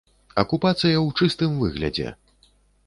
Акупацыя ў чыстым выглядзе!